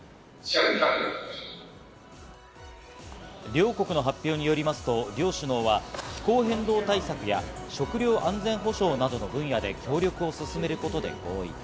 両国の発表によりますと、両首脳は気候変動対策や食糧安全保障などの分野で協力を進めることで合意。